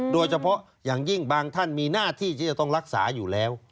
โดยเฉพาะอย่างยิ่งบางท่านมีหน้าที่ที่จะต้องรักษาอยู่แล้ว